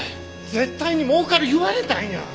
「絶対に儲かる」言われたんや。